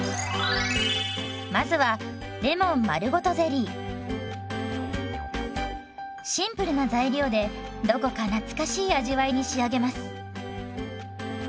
まずはシンプルな材料でどこか懐かしい味わいに仕上げます。